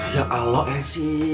ya allah esy